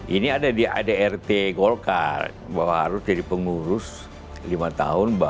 ini ada di adrt golkar bahwa harus jadi pengurus lima tahun